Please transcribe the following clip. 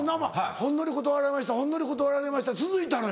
ほんのり断られましたほんのり断られました続いたのよ。